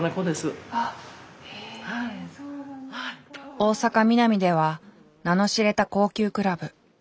大阪ミナミでは名の知れた高級クラブ。